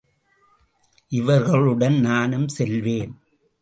இவர்களுடன் நானும் செல்வேன்.